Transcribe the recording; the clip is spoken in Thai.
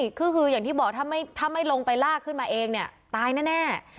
ใช่คืออย่างที่บอกถ้าไม่ลงไปลากขึ้นมาเองเนี่ยตายแน่